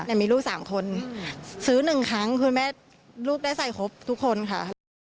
แต่มีลูก๓คนซื้อ๑ครั้งคุณแม่ลูกได้ใส่ครบทุกคนค่ะ